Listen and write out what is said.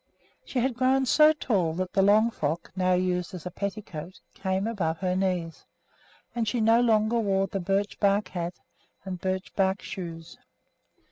She had grown so tall that the long frock, now used as a petticoat, came above her knees, and she no longer wore the birch bark hat and birch bark shoes.